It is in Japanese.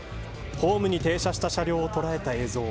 ホームに停車した車両を捉えた映像。